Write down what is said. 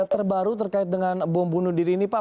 terbaru terkait dengan bom bunuh diri ini pak